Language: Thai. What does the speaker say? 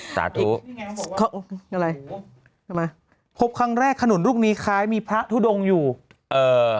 สาธุเขาอะไรทำไมพบครั้งแรกขนุนลูกนี้คล้ายมีพระทุดงอยู่เอ่อ